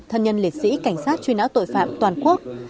thân nhân liệt sĩ cảnh sát chuyên áo tội phạm toàn quốc